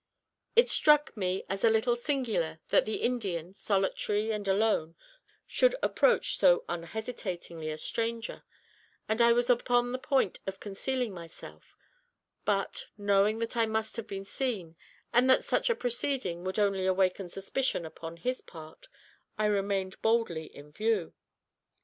It struck me as a little singular that the Indian, solitary and alone, should approach so unhesitatingly a stranger, and I was upon the point of concealing myself; but, knowing that I must have been seen, and that such a proceeding would only awaken suspicion upon his part, I remained boldly in view.